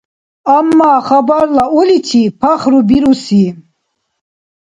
Амма хабарла уличи пахрубируси.